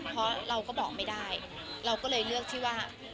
เพราะเราก็บอกไม่ได้เราก็เลยเลือกที่ว่า